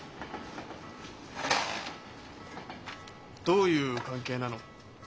どういう関係なの？